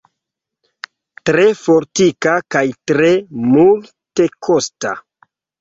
Tre fortika kaj tre multekosta.